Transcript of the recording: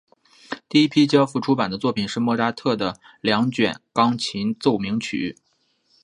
第一批交付出版的作品是莫扎特的两卷钢琴奏鸣曲。